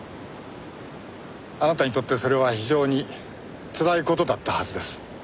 あなたにとってそれは非常につらい事だったはずです。